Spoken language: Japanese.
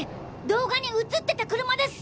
動画に映ってた車です！